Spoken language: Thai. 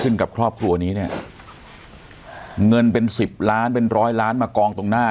กับครอบครัวนี้เนี่ยเงินเป็นสิบล้านเป็นร้อยล้านมากองตรงหน้า